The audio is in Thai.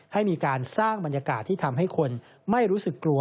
ให้มีการสร้างบรรยากาศที่ทำให้คนไม่รู้สึกกลัว